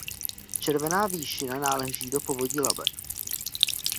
Červená výšina náleží do povodí Labe.